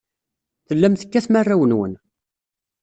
Tellam tekkatem arraw-nwen.